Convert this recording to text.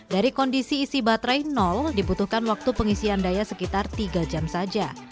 dari kondisi isi baterai nol dibutuhkan waktu pengisian daya sekitar tiga jam saja